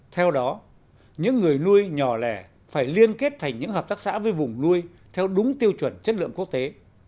theo đó những người nuôi nhỏ lẻ phải liên kết thành những hợp tác xã với vùng nuôi theo đúng tiêu chuẩn chất lượng quốc tế